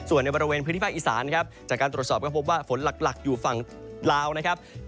ส่วนในบริเวณพื้นที่ภาคอีสานครับจากการตรวจสอบก็พบว่าฝนหลักอยู่ฝั่งลาวนะครับ